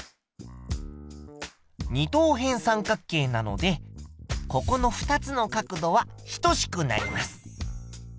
二等辺三角形なのでここの２つの角度は等しくなります。